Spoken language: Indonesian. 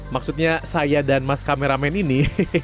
maksudnya saya dan mas kameramen ini